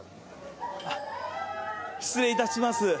あっ失礼いたします。